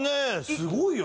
すごいよね。